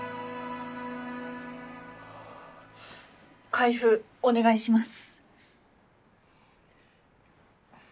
開封お願いします。